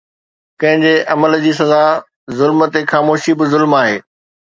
ڪنهن جي عمل جي سزا، ظلم تي خاموشي به ظلم آهي